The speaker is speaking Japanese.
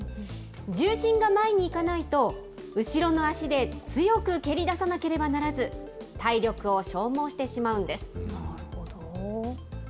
重心が前にいかないと、後ろの足で強く蹴り出さなければならず、体力を消耗してしまうんです。